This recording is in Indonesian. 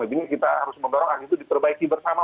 lebih kita harus memperbaiki bersama